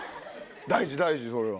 大事大事それは。